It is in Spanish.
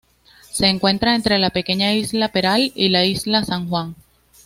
Se encuentra entre la pequeña Isla Peral y la Isla San Juan.